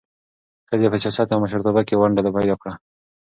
ښځې په سیاست او مشرتابه کې ونډه پیدا کړه.